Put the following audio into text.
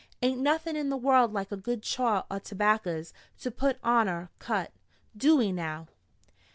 Ain't nothin' in the world like a good chaw o' tobackers to put on a arrer cut. Do ee, now!"